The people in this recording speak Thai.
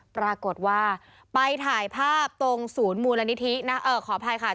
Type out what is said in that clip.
ปรากฏว่าไปถ่ายภาพตรงศูนย์มูลนิธิขออภัยค่ะ